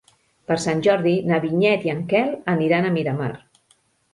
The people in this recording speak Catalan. Per Sant Jordi na Vinyet i en Quel aniran a Miramar.